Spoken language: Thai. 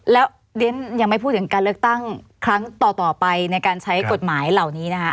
แล้วเรียนยังไม่พูดถึงการเลือกตั้งครั้งต่อไปในการใช้กฎหมายเหล่านี้นะคะ